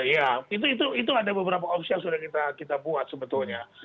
ya itu ada beberapa opsi yang sudah kita buat sebetulnya